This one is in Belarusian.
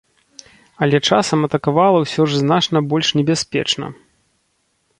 Але часам атакавала ўсё ж значна больш небяспечна.